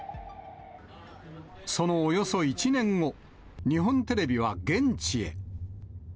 そのおよそ１年後、日本テレビは現地へ。